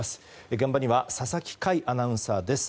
現場には佐々木快アナウンサーです。